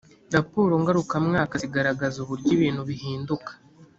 raporo ngarukamwaka zigaragaza uburyo ibintu bihinduka